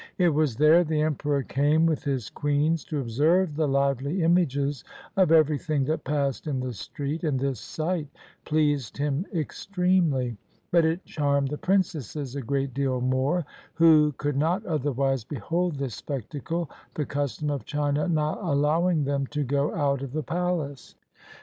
It was there the emperor came with his queens to observe the lively images of everything that passed in the street; and this sight pleased him extremely; but it charmed the princesses a great deal more, who could not otherwise behold this spectacle, the custom of China not allowing them to go out of the palace.